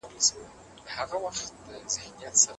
ولي لېواله انسان د وړ کس په پرتله ښه ځلېږي؟